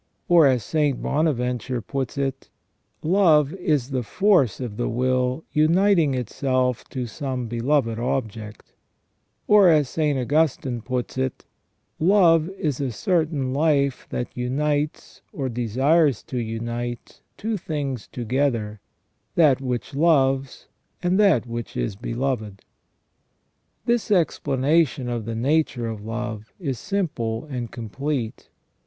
Or, as St. Bonaventure puts it :" Love is the force of the will uniting itself to some beloved ob ject ". Or, as St. Augustine puts it :" Love is a certain life that unites, or desires to unite, two things together, that which loves * S. Isidore, Senteni., lib. i., c. ii. 144 SELF AND CONSCIENCE. with that which is beloved ". This explanation of the nature of love is simple and complete.